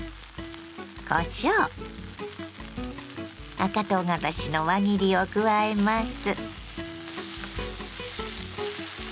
赤とうがらしの輪切りを加えます。